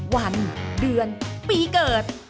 วันเดือนปีเกิด